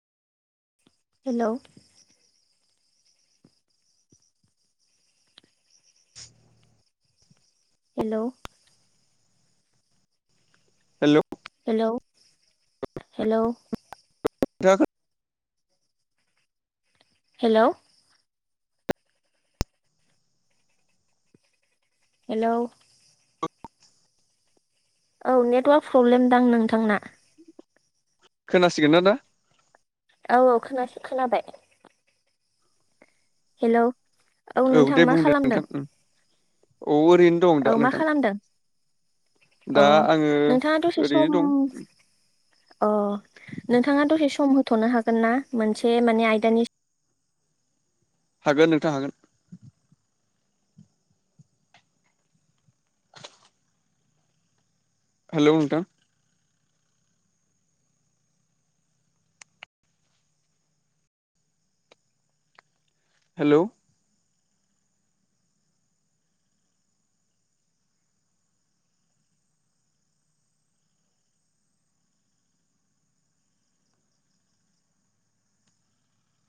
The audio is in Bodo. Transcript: हेल'। हेल'। हेल'। Hello hello. नोंथाङा हेल'। हेलौ। औ नेटवार्क प्रब्लेम दां नोंथांना खोनासिगोन ना दा? औ औ खोनासै खोनाबाय हेलौ औ नोंथां दे मा बुंदो खालामदों नोंथां औ ओरैनो दं औ दा मा नोंथां खालामदों अ दा आङो नोंथाङा दसे सम ओरैनो दं अ नोंथाङा दसे सम होथ'नो हागोन ना मोनसे माने आयदानि हागोन नोंथां हागोन हेलौ नोंथां हेलौ